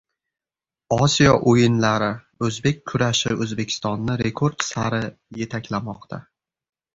Osiyo o‘yinlari. O‘zbek kurashi O‘zbekistonni rekord sari yetaklamoqda